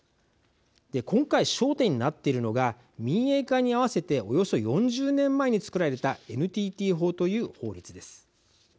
今回焦点になってるのが民営化に合わせておよそ４０年前に作られたＮＴＴ法という法律です。